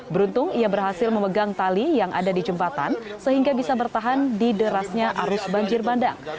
beruntung ia berhasil memegang tali yang ada di jembatan sehingga bisa bertahan di derasnya arus banjir bandang